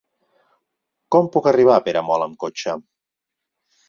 Com puc arribar a Peramola amb cotxe?